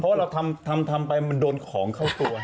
เพราะว่าเราทำไปมันโดนของเข้าตัว